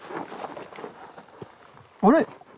あれ！？